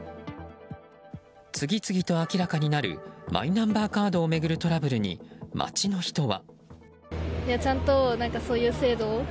次々と明らかになるマイナンバーカードを巡るトラブルに街の人は。